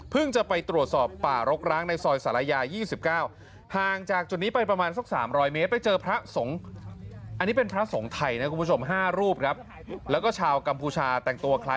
เพิ่งจะไปตรวจสอบป่ารกร้างในซอยศาลายา๒๙